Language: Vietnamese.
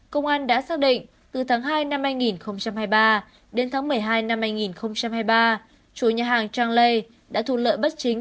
công an đã xác định từ tháng hai năm hai nghìn hai mươi ba đến tháng một mươi hai năm hai nghìn hai mươi ba chủ nhà hàng trang lê đã thu lợi bất chính